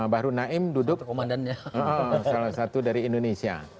bahru naim duduk komandannya salah satu dari indonesia